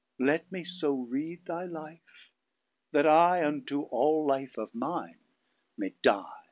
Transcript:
Let me so read thy life, that IUnto all life of mine may dy.